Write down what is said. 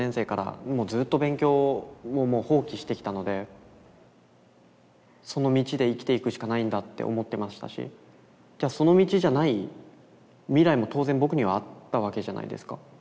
僕も当然その道で生きていくしかないんだって思ってましたしその道じゃない未来も当然僕にはあったわけじゃないですか。